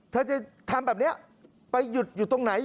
เธอจะทำแบบนี้ไปหยุดอยู่ตรงไหน